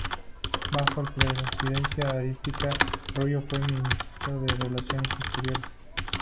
Bajo la presidencia de Aristides Royo fue ministro de Relaciones Exteriores.